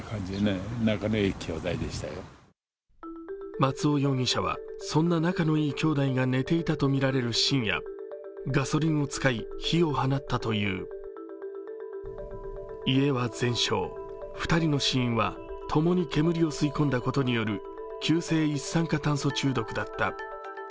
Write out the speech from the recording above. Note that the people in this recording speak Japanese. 松尾容疑者はそんな仲のいい兄弟が寝ていたとみられる深夜、ガソリンを使い、火を放ったという家は全焼、２人の死因はともに煙を吸い込んだことによる急性一酸化炭素中毒だった。